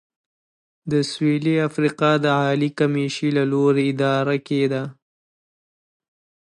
د سوېلي افریقا د عالي کمېشۍ له لوري اداره کېده.